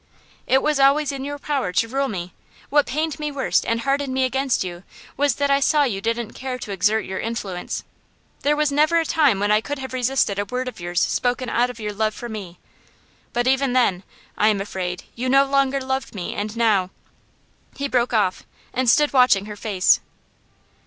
'It was always in your power to rule me. What pained me worst, and hardened me against you, was that I saw you didn't care to exert your influence. There was never a time when I could have resisted a word of yours spoken out of your love for me. But even then, I am afraid, you no longer loved me, and now ' He broke off, and stood watching her face.